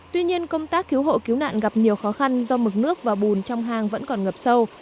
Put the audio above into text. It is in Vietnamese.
tuy nhiên công tác cứu hộ cứu nạn gặp nhiều khó khăn do mực nước và bùn trong hang vẫn còn ngập sâu